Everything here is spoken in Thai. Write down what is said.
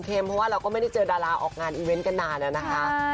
เพราะว่าเราก็ไม่ได้เจอดาราออกงานอีเวนต์กันนานอะนะคะ